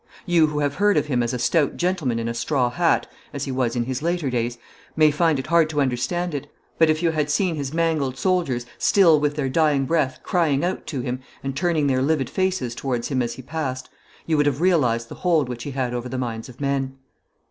You who have heard of him as a stout gentleman in a straw hat, as he was in his later days, may find it hard to understand it, but if you had seen his mangled soldiers still with their dying breath crying out to him, and turning their livid faces towards him as he passed, you would have realised the hold which he had over the minds of men.